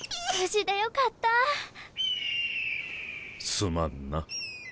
すまんな。